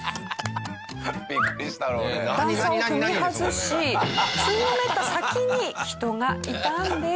段差を踏み外しつんのめった先に人がいたんです。